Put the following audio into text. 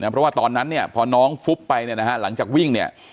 เพราะว่าตอนนั้นเนี่ยพอน้องฟุบไปเนี่ยนะฮะหลังจากวิ่งเนี่ย